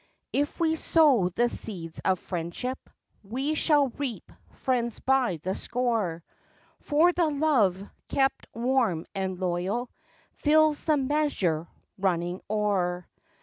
If we sow the seeds of friendship, We shall reap friends by the score, For the love kept warm and lcyal, Fills the measure running o'er.